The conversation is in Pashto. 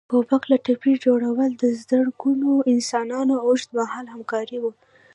ګوبک لي تپې جوړول د زرګونو انسانانو اوږد مهاله همکاري وه.